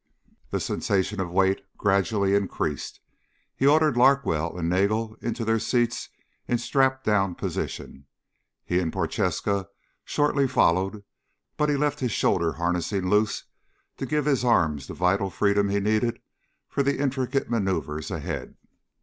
The sensation of weight gradually increased. He ordered Larkwell and Nagel into their seats in strapdown position. He and Prochaska shortly followed, but he left his shoulder harnessing loose to give his arms the vital freedom he needed for the intricate maneuvers ahead.